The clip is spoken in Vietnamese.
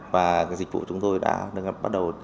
và dịch vụ chúng tôi đã bắt đầu